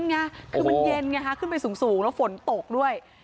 ไงคือมันเย็นไงฮะขึ้นไปสูงแล้วฝนตกด้วย